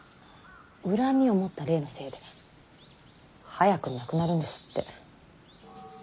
恨みを持った霊のせいで早くに亡くなるんですって。